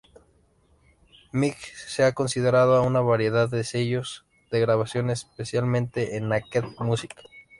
Migs se ha asociado a una variedad de sellos de grabación, especialmente Naked Music.